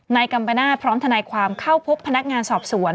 กัมปนาศพร้อมทนายความเข้าพบพนักงานสอบสวน